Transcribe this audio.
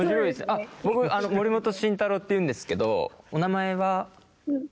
あっ僕森本慎太郎っていうんですけどお名前は？